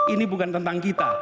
ini bukan tentang kita